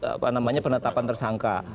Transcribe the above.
apa namanya penetapan tersangka